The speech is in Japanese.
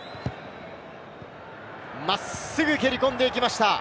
真っすぐ蹴り込んでいきました。